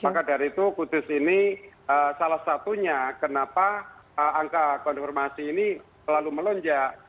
maka dari itu kudus ini salah satunya kenapa angka konfirmasi ini selalu melonjak